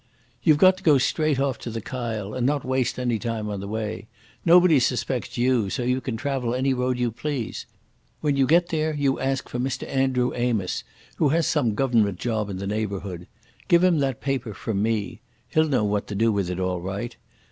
"You've got to go straight off to the Kyle and not waste any time on the way. Nobody suspects you, so you can travel any road you please. When you get there you ask for Mr Andrew Amos, who has some Government job in the neighbourhood. Give him that paper from me. He'll know what to do with it all right.